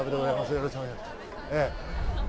よろしくお願いします。